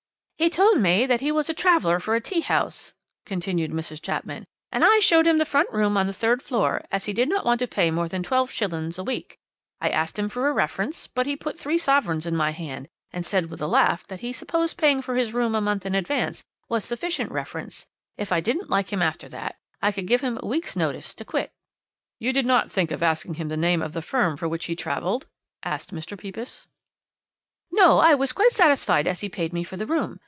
"'He told me that he was a traveller for a tea house,' continued Mrs. Chapman, 'and I showed him the front room on the third floor, as he did not want to pay more than twelve shillings a week. I asked him for a reference, but he put three sovereigns in my hand, and said with a laugh that he supposed paying for his room a month in advance was sufficient reference; if I didn't like him after that, I could give him a week's notice to quit.' "'You did not think of asking him the name of the firm for which he travelled?' asked Mr. Pepys. "'No, I was quite satisfied as he paid me for the room.